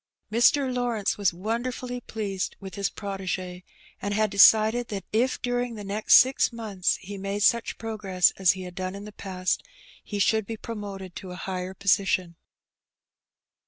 Mr. Lawrence was wonderfully pleased with his protege, and had decided that if during the next six months he made such progress as he had done in the past, he should be pro moted to a higher position.